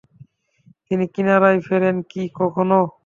তিনি কিরানায় ফেরেন নি কখনো।